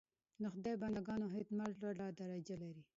د خدای بنده ګانو خدمت لوړه درجه لري.